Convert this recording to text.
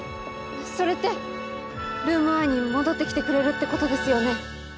それってルーム１に戻ってきてくれるってことですよね？